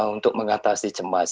untuk mengatasi cemas